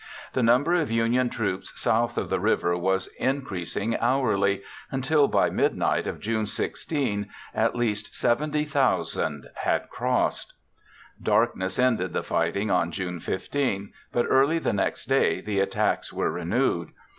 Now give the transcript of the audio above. The number of Union troops south of the river was increasing hourly, until by midnight of June 16 at least 70,000 had crossed. Darkness ended the fighting on June 15, but early the next day the attacks were renewed.